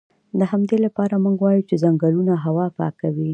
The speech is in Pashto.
د همدې لپاره موږ وایو چې ځنګلونه هوا پاکوي